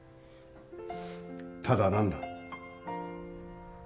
ただ何だ？